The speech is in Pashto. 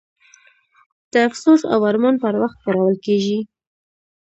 د افسوس او ارمان پر وخت کارول کیږي.